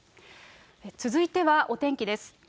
続いてはお天気です。